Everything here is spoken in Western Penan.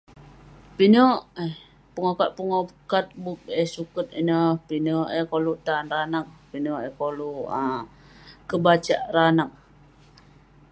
Pinek eh...pengokat, pengokat bup eh suket ineh, pinek eh koluk tan ireh anah..pinek eh koluk um kebasak ireh anag..